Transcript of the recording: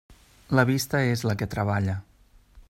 La vista és la que treballa.